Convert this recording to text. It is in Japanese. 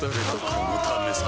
このためさ